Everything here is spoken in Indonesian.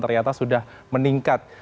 ternyata sudah meningkat